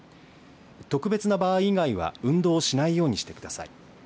特別な場合以外は運動をしないようにしてください。